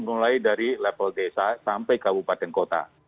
mulai dari level desa sampai kabupaten kota